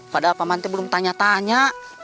padahal paman belum tanya tanya